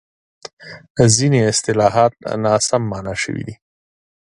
ځینې اصطلاحات ناسم مانا شوي دي.